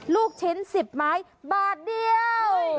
ลูกชิ้น๑๐ไม้บาทเดียว